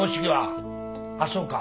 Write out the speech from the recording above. あっそうか。